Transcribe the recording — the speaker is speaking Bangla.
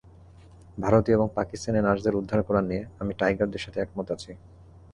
ভারতীয় এবং পাকিস্তানি নার্সদের উদ্ধার করা নিয়ে, - আমি টাইগারের সাথে একমত আছি।